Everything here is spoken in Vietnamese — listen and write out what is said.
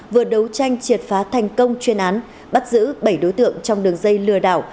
vừa đấu tranh triệt phá thành công chuyên án bắt giữ bảy đối tượng trong đường dây lừa đảo